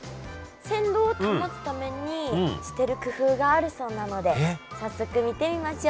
鮮度を保つためにしてる工夫があるそうなので早速見てみましょう。